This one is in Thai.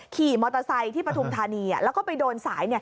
ขี่มอเตอร์ไซค์ที่ปฐุมธานีแล้วก็ไปโดนสายเนี่ย